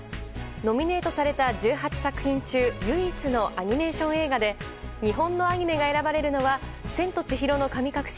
ノミネートされた１８作品中唯一のアニメーション映画で日本のアニメが選ばれるのは「千と千尋の神隠し」